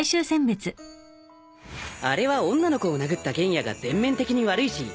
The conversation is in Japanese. あれは女の子を殴った玄弥が全面的に悪いし仕方ないよ。